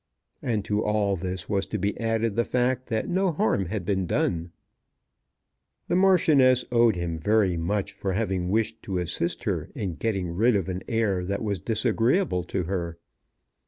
And to all this was to be added the fact that no harm had been done. The Marchioness owed him very much for having wished to assist her in getting rid of an heir that was disagreeable to her.